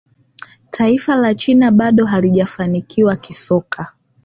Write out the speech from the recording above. taifa la china bado halijafanikiwa kisoka